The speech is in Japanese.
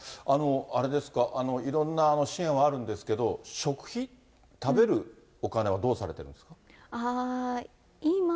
あれですか、いろんな支援はあるんですけど、食費、食べるお金はどうされてるんですか？